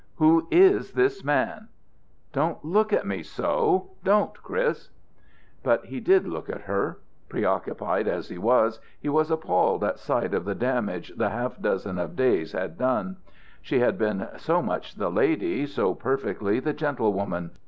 "Who is this man?" "Don't look at me so! Don't, Chris!" But he did look at her. Preoccupied as he was, he was appalled at sight of the damage the half dozen of days had done. She had been so much the lady, so perfectly the gentlewoman.